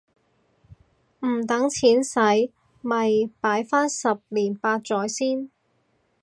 唔等錢洗咪擺返十年八載先